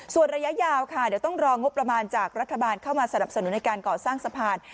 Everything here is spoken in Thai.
ส่วนระยะยาวค่ะเดี๋ยวต้องรองบประมาณจากรัฐบาลเข้ามาสนับสนุนในการก่อสร้างสะพาน